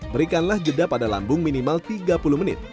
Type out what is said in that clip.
berikanlah jeda pada lambung minimal tiga puluh menit